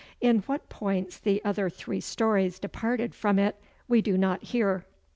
In what points the other three stories departed from it we do not hear.